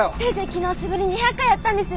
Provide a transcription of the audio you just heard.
昨日素振り２００回やったんですよ。